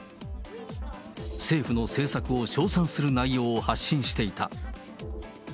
政府の政策を称賛する内容を発信していた。